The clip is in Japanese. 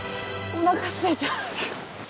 おなかすいた。